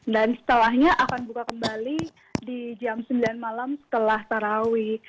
dan setelahnya akan buka kembali di jam sembilan malam setelah tarawi